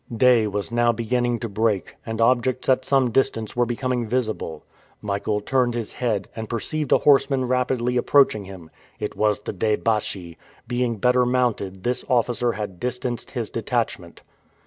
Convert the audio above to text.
Day was now beginning to break, and objects at some distance were becoming visible. Michael turned his head, and perceived a horseman rapidly approaching him. It was the deh baschi. Being better mounted, this officer had distanced his detachment.